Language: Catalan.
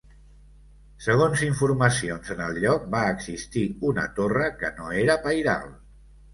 Segons informacions en el lloc va existir una torre que no era pairal.